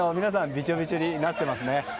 びちょびちょになってますね。